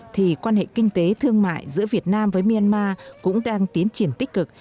thì quan hệ kinh tế thương mại giữa việt nam với myanmar cũng đang tiến triển tích cực